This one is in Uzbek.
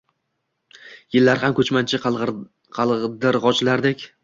Yillar ham ko’chmanchi qaldirg’ochlardek